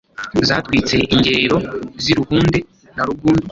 Zatwitse ingerero z'iRuhunde na Rugundu